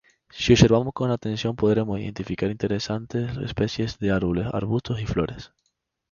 Si observamos con atención podremos identificar interesantes especies de árboles, arbustos y flores.